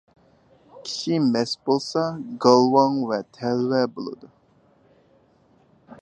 كىشى مەست بولسا گالۋاڭ ۋە تەلۋە بولىدۇ.